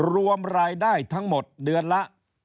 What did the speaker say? รวมรายได้ทั้งหมดเดือนละ